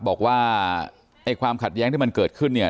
บอกว่าความขัดแย้งที่มันเกิดขึ้น